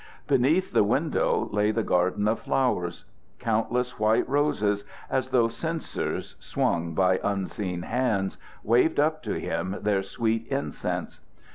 Beneath the window lay the garden of flowers. Countless white roses, as though censers swung by unseen hands, waved up to him their sweet incense.